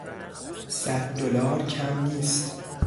صد دلار کم نیست.